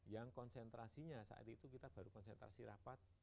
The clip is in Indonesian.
yang konsentrasinya saat itu kita baru konsentrasi rapat